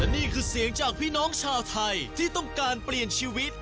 นี่คือเสียงจากพี่น้องชาวไทยที่ต้องการเปลี่ยนชีวิต